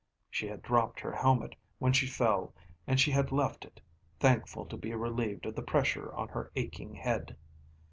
She had dropped her helmet when she fell and she had left it, thankful to be relieved of the pressure on her aching head.